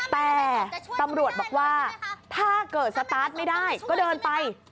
แต่ตำรวจบอกว่าถ้าเกิดสตาร์ทไม่ได้ก็เดินไป